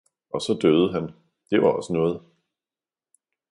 og så døde han, det var også noget!